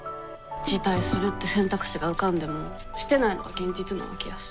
辞退するって選択肢が浮かんでもしてないのが現実なわけやし。